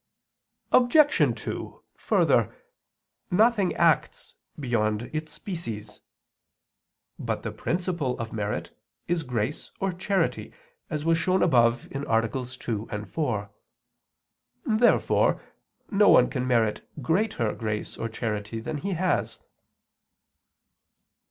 Obj. 2: Further, nothing acts beyond its species. But the principle of merit is grace or charity, as was shown above (AA. 2, 4). Therefore no one can merit greater grace or charity than he has.